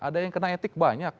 ada yang kena etik banyak